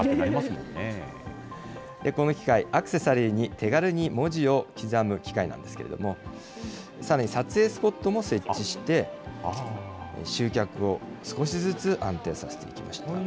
この機械、アクセサリーに手軽に文字を刻む機械なんですけれども、さらに、撮影スポットも設置して、集客を少しずつ安定させていきました。